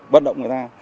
bắt động người ta